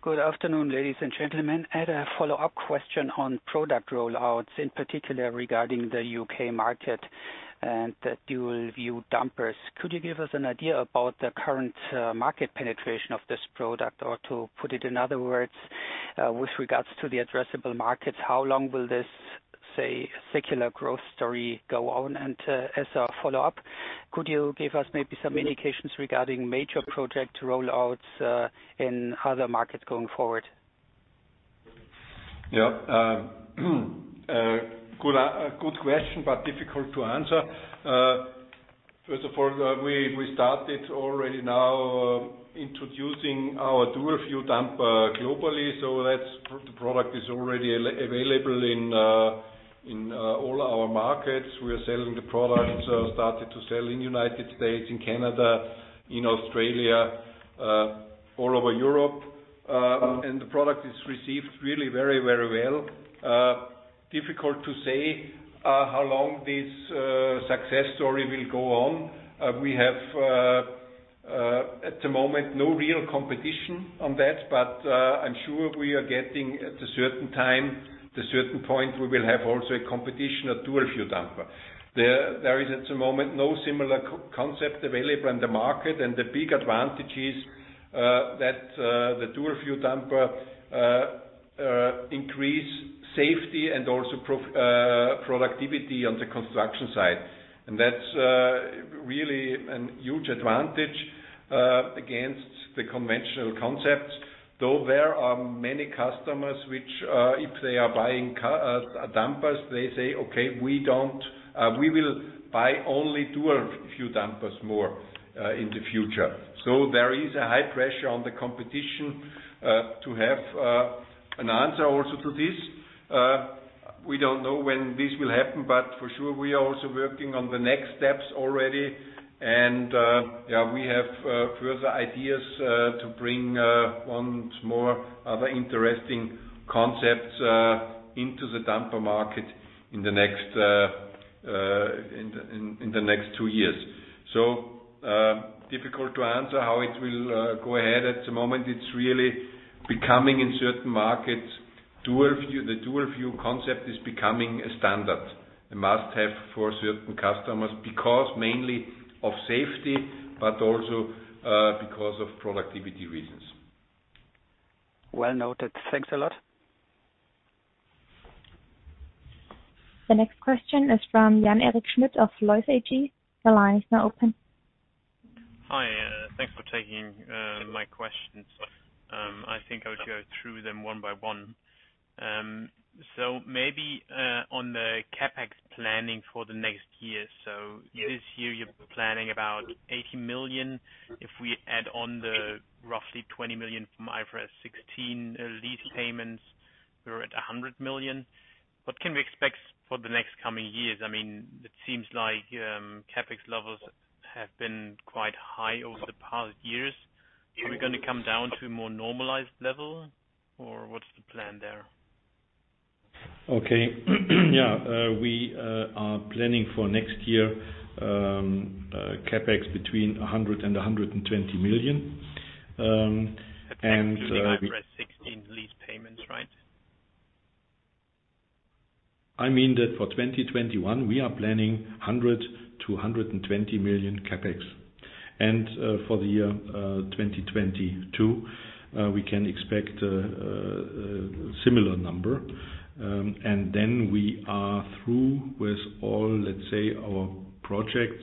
Good afternoon, ladies and gentlemen. I had a follow-up question on product rollouts, in particular regarding the U.K. market and the Dual View dumpers. Could you give us an idea about the current market penetration of this product? Or to put it in other words, with regards to the addressable markets, how long will this, say, secular growth story go on? As a follow-up, could you give us maybe some indications regarding major project rollouts in other markets going forward? Good question, difficult to answer. First of all, we started already now introducing our Dual View dumper globally. The product is already available in all our markets. We are selling the product. Started to sell in U.S., in Canada, in Australia, all over Europe. The product is received really very well. Difficult to say how long this success story will go on. We have, at the moment, no real competition on that, but I'm sure we are getting at a certain time, the certain point, we will have also a competition of Dual View dumper. There is, at the moment, no similar concept available in the market. The big advantage is that the Dual View dumper increase safety and also productivity on the construction site. That's really a huge advantage against the conventional concepts, though there are many customers which, if they are buying dumpers, they say, "Okay, we will buy only Dual View dumpers more in the future." There is a high pressure on the competition to have an answer also to this. We don't know when this will happen, but for sure we are also working on the next steps already. We have further ideas to bring on more other interesting concepts into the dumper market in the next 2 years. Difficult to answer how it will go ahead. At the moment, it's really becoming, in certain markets, the Dual View concept is becoming a standard, a must-have for certain customers, because mainly of safety, but also because of productivity reasons. Well noted. Thanks a lot. The next question is from Jan Eric Schmidt of LBBW. Your line is now open. Hi. Thanks for taking my questions. I think I would go through them one by one. On the CapEx planning for the next year. This year you're planning about 80 million. If we add on the roughly 20 million from IFRS 16 lease payments, we're at 100 million. What can we expect for the next coming years? It seems like CapEx levels have been quite high over the past years. Are we going to come down to a more normalized level or what's the plan there? Okay. Yeah. We are planning for next year, CapEx between 100 million and 120 million. That's including IFRS 16 lease payments, right? I mean that for 2021, we are planning 100 million-120 million CapEx. For the year 2022, we can expect a similar number. Then we are through with all, let's say, our projects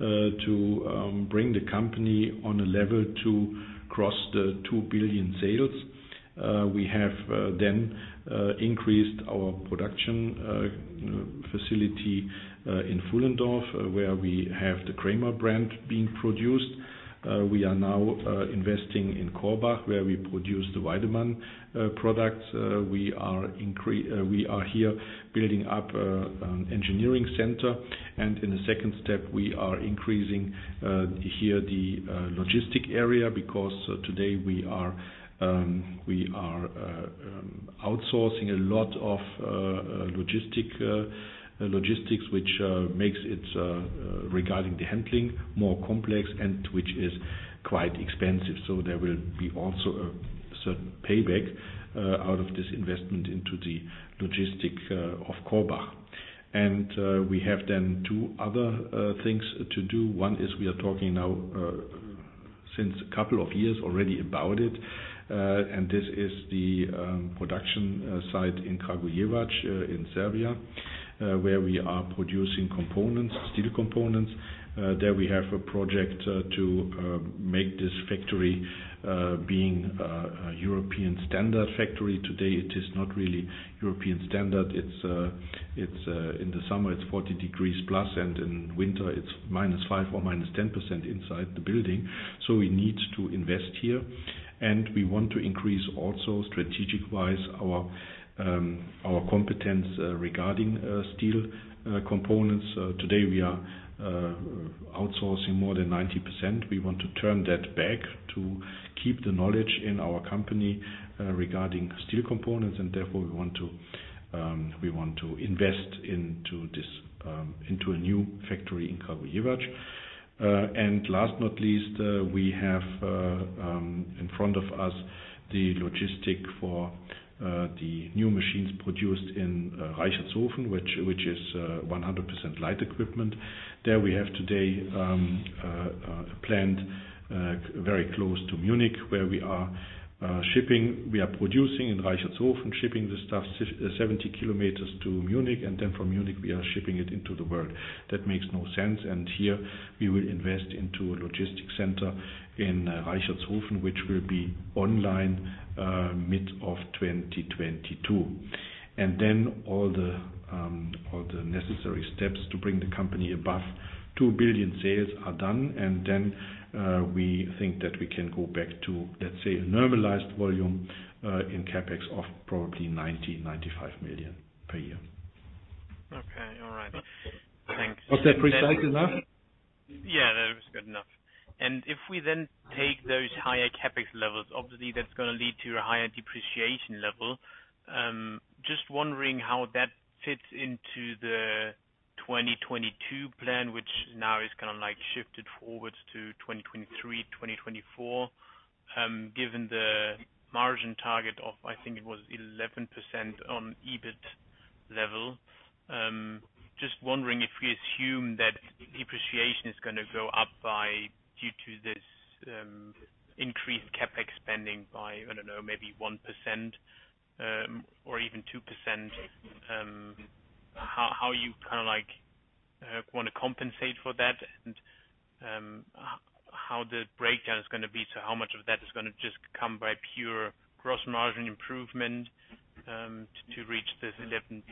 to bring the company on a level to cross the 2 billion sales. We have then increased our production facility in Pfullendorf, where we have the Kramer brand being produced. We are now investing in Korbach, where we produce the Weidemann products. We are here building up an engineering center. In the second step, we are increasing here the logistic area because today we are outsourcing a lot of logistics, which makes it, regarding the handling, more complex and which is quite expensive. There will be also a certain payback out of this investment into the logistic of Korbach. We have then two other things to do. One is we are talking now since a couple of years already about it. This is the production site in Kragujevac in Serbia, where we are producing steel components. There we have a project to make this factory Being a European standard factory today, it is not really European standard. In the summer it's 40 degrees plus, and in winter it's minus five or minus 10% inside the building. We need to invest here, and we want to increase also, strategic-wise, our competence regarding steel components. Today, we are outsourcing more than 90%. We want to turn that back to keep the knowledge in our company regarding steel components, therefore we want to invest into a new factory in Kragujevac. Last not least, we have in front of us the logistic for the new machines produced in Reichertshofen, which is 100% light equipment. There we have today a plant very close to Munich, where we are producing in Reichertshofen, shipping the stuff 70 kilometers to Munich, then from Munich, we are shipping it into the world. That makes no sense. Here we will invest into a logistic center in Reichertshofen, which will be online mid-2022. All the necessary steps to bring the company above 2 billion sales are done. We think that we can go back to, let's say, a normalized volume in CapEx of probably 90 million-95 million per year. Okay. All right. Thanks. Was that precise enough? That was good enough. If we then take those higher CapEx levels, obviously that's going to lead to a higher depreciation level. Just wondering how that fits into the 2022 plan, which now is kind of shifted forwards to 2023, 2024, given the margin target of, I think it was 11% on EBIT level. Just wondering if we assume that depreciation is going to go up due to this increased CapEx spending by, maybe 1% or even 2%. How you want to compensate for that, and how the breakdown is going to be? How much of that is going to just come by pure gross margin improvement to reach this 11%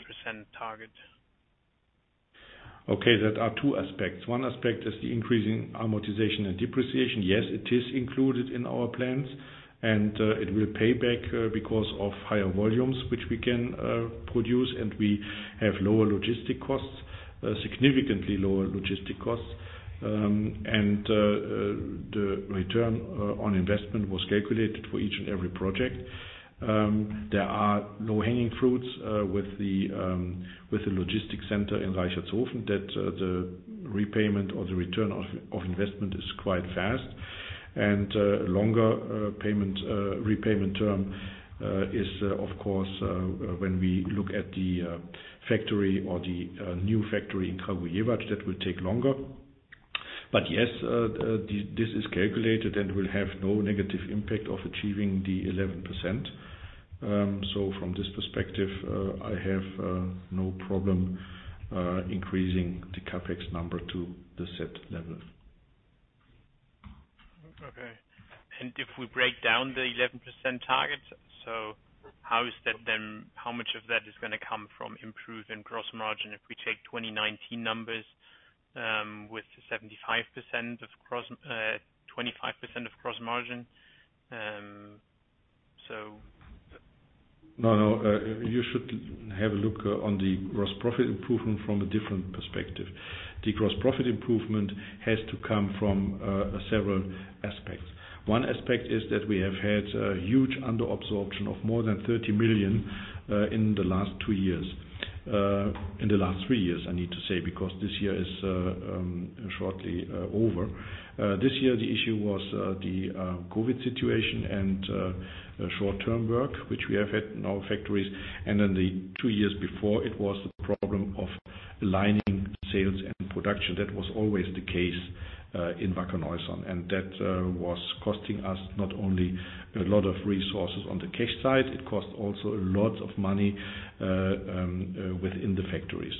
target? There are two aspects. One aspect is the increasing amortization and depreciation. Yes, it is included in our plans, and it will pay back because of higher volumes which we can produce, and we have lower logistic costs, significantly lower logistic costs. The return on investment was calculated for each and every project. There are low-hanging fruits with the logistic center in Reichertshofen that the repayment or the return of investment is quite fast. A longer repayment term is, of course, when we look at the factory or the new factory in Kragujevac, that will take longer. But yes, this is calculated and will have no negative impact of achieving the 11%. From this perspective, I have no problem increasing the CapEx number to the said level. If we break down the 11% target, how much of that is going to come from improvement in gross margin? If we take 2019 numbers with 25% of gross margin. You should have a look on the gross profit improvement from a different perspective. The gross profit improvement has to come from several aspects. One aspect is that we have had a huge under-absorption of more than 30 million in the last two years. In the last three years, I need to say, because this year is shortly over. This year, the issue was the COVID situation and short-term work, which we have had in our factories. Then the two years before it was the problem of aligning sales and production. That was always the case in Wacker Neuson. That was costing us not only a lot of resources on the cash side, it cost also a lot of money within the factory.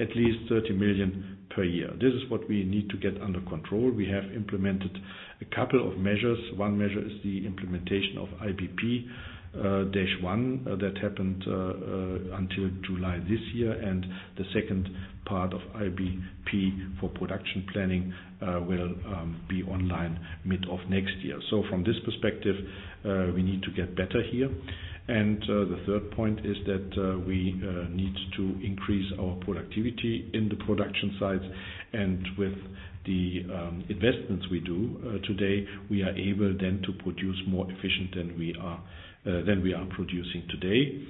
At least 30 million per year. This is what we need to get under control. We have implemented a couple of measures. One measure is the implementation of IBP. That happened until July this year. The second part of IBP for production planning will be online mid of next year. From this perspective, we need to get better here. The third point is that we need to increase our productivity in the production sites. With the investments we do today, we are able then to produce more efficient than we are producing today.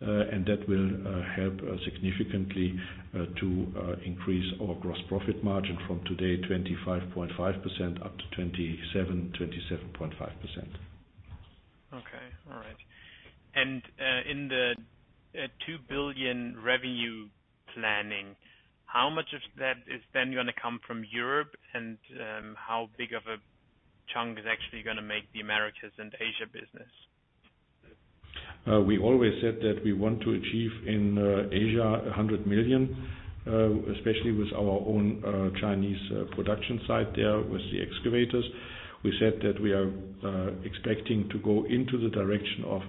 That will help significantly to increase our gross profit margin from today, 25.5% up to 27%-27.5%. Okay. All right. In the 2 billion revenue planning, how much of that is then going to come from Europe? How big of a chunk is actually going to make the Americas and Asia business? We always said that we want to achieve in Asia 100 million, especially with our own Chinese production site there with the excavators. We said that we are expecting to go into the direction of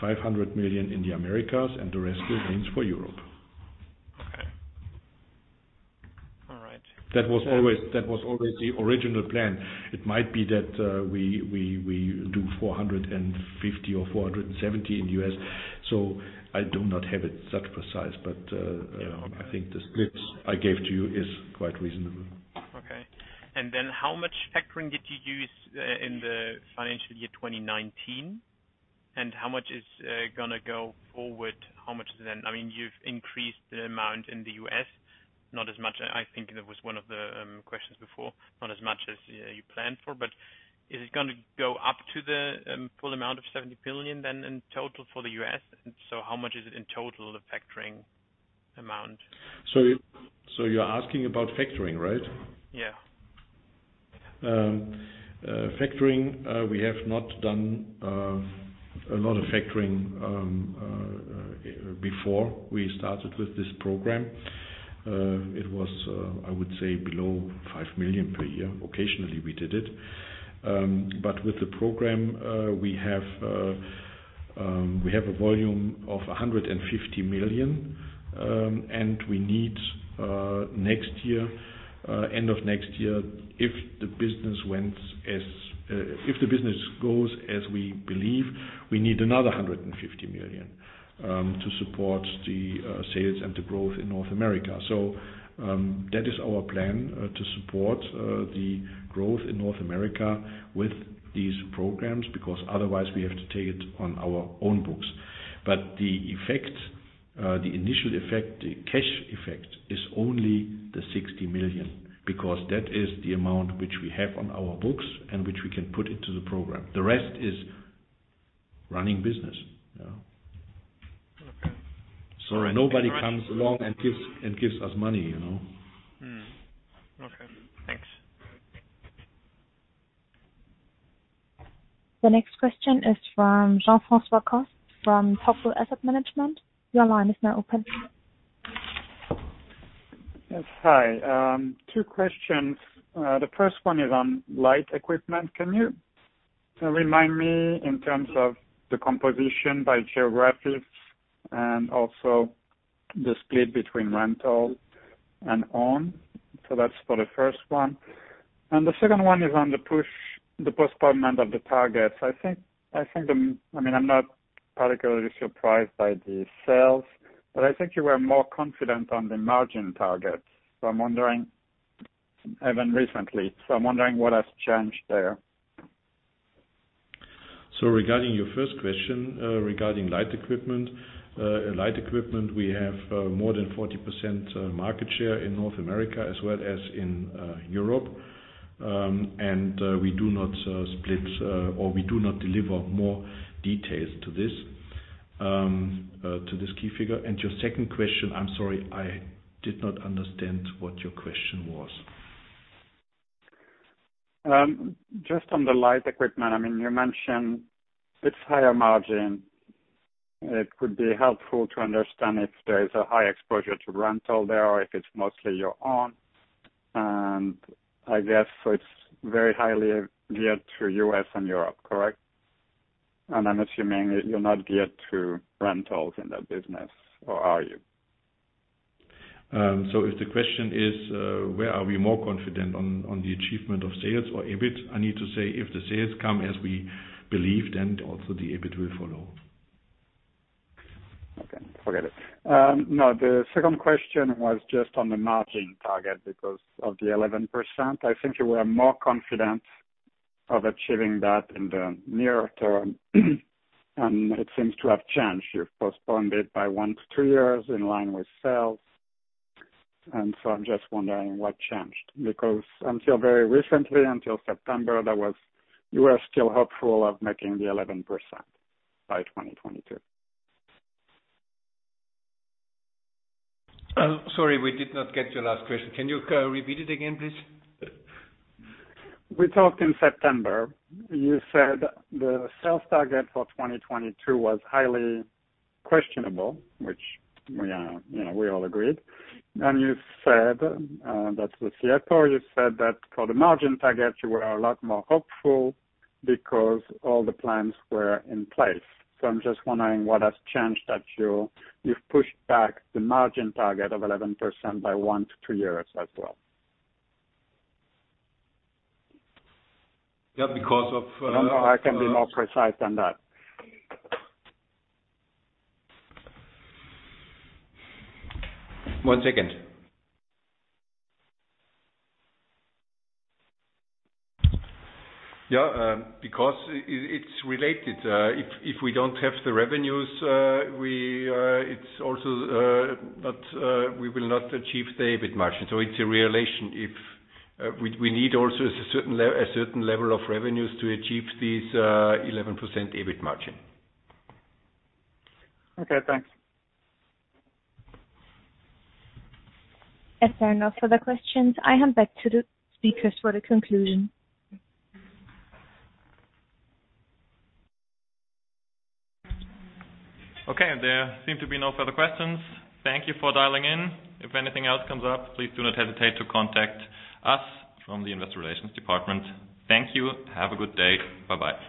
500 million in the Americas, the rest remains for Europe. Okay. All right. That was always the original plan. It might be that we do 450 or 470 in U.S. I do not have it such precise. Yeah. Okay. I think this I gave to you is quite reasonable. Okay. How much factoring did you use in the financial year 2019? How much is going to go forward? I mean, you've increased the amount in the U.S., not as much. I think that was one of the questions before, not as much as you planned for. Is it going to go up to the full amount of 70 million in total for the U.S.? How much is it in total, the factoring amount? You're asking about factoring, right? Yeah. Factoring, we have not done a lot of factoring before we started with this program. It was, I would say, below 5 million per year. Occasionally we did it. With the program, we have a volume of 150 million. We need next year, end of next year, if the business goes as we believe, we need another 150 million to support the sales and the growth in North America. That is our plan, to support the growth in North America with these programs, because otherwise we have to take it on our own books. The effect, the initial effect, the cash effect is only the 60 million, because that is the amount which we have on our books and which we can put into the program. The rest is running business. Okay. All right. Nobody comes along and gives us money. Okay. Thanks. The next question is from Jean-Francois Corcos from Topas Asset Management. Your line is now open. Yes. Hi. Two questions. The first one is on light equipment. Can you remind me in terms of the composition by geographics and also the split between rental and own? That's for the first one. The second one is on the postponement of the targets. I'm not particularly surprised by the sales, but I think you were more confident on the margin targets. I'm wondering, even recently, what has changed there. Regarding your first question, regarding light equipment. In light equipment, we have more than 40% market share in North America as well as in Europe. We do not split or we do not deliver more details to this key figure. Your second question, I'm sorry, I did not understand what your question was. Just on the light equipment. You mentioned it's higher margin. It would be helpful to understand if there is a high exposure to rental there or if it's mostly your own. I guess it's very highly geared to U.S. and Europe, correct? I'm assuming you're not geared to rentals in that business, or are you? If the question is where are we more confident on the achievement of sales or EBIT? I need to say if the sales come as we believed, then also the EBIT will follow. Okay. Forget it. No, the second question was just on the margin target because of the 11%. I think you were more confident of achieving that in the near term and it seems to have changed. You've postponed it by one to two years in line with sales. I'm just wondering what changed, because until very recently, until September, you were still hopeful of making the 11% by 2022. Sorry, we did not get your last question. Can you repeat it again, please? We talked in September. You said the sales target for 2022 was highly questionable, which we all agreed. You said that for the margin target, you were a lot more hopeful because all the plans were in place. I'm just wondering what has changed that you've pushed back the margin target of 11% by one to two years as well. Yeah. I don't know if I can be more precise than that. One second. Yeah, because it's related. If we don't have the revenues, we will not achieve the EBIT margin. It's a relation. We need also a certain level of revenues to achieve this 11% EBIT margin. Okay, thanks. If there are no further questions, I hand back to the speakers for the conclusion. Okay, there seem to be no further questions. Thank you for dialing in. If anything else comes up, please do not hesitate to contact us from the investor relations department. Thank you. Have a good day. Bye-bye.